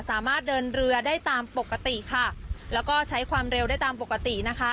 สามารถเดินเรือได้ตามปกติค่ะแล้วก็ใช้ความเร็วได้ตามปกตินะคะ